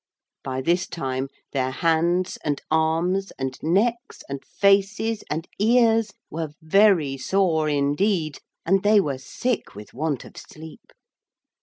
By this time their hands and arms and necks and faces and ears were very sore indeed, and they were sick with want of sleep.